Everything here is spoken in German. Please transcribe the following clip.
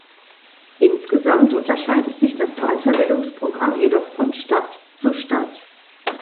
Insgesamt unterscheidet sich das Weiterbildungsprogramm jedoch von Stadt zu Stadt.